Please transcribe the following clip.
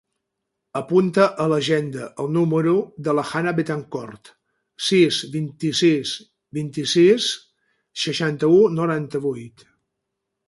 Apunta a l'agenda el número de la Hanna Betancort: sis, vint-i-sis, vint-i-sis, seixanta-u, noranta-vuit.